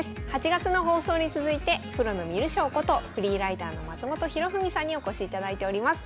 ８月の放送に続いてプロの観る将ことフリーライターの松本博文さんにお越しいただいております。